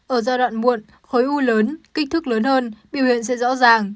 ở giai đoạn muộn khối u lớn kích thước lớn hơn biểu hiện sẽ rõ ràng